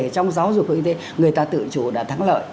trong giáo dục và y tế người ta tự chủ đã thắng lợi